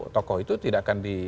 tokoh itu tidak akan